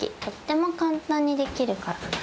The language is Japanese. とっても簡単にできるから。